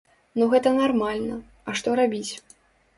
Ну гэта нармальна, а што рабіць?